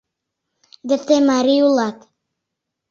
Вет тый марий улат.